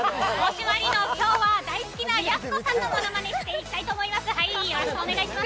今日は、大好きなやす子さんのものまねをしていきたいと思います、はいー。